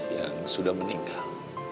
yang sudah meninggal